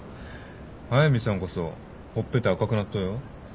速見さんこそほっぺた赤くなっとうよ。